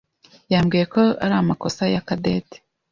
yambwiye ko ari amakosa ya Cadette.